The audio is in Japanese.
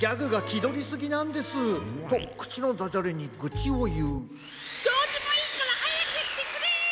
どうでもいいからはやくしてくれ！